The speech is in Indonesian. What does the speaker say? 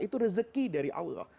itu rezeki dari allah